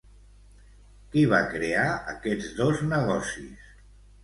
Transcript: Qui va crear aquests dos negocis?